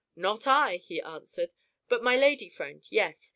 "Not I," he answered. "But my lady friend yes.